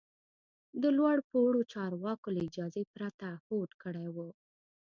د لوړ پوړو چارواکو له اجازې پرته هوډ کړی و.